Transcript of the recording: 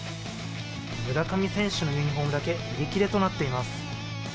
村上選手のユニホームだけ売り切れとなっています。